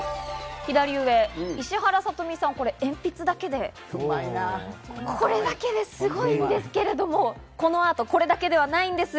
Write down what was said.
左上、石原さとみさん、鉛筆だけでこれだけですごいんですけれども、この後、これだけではないんです。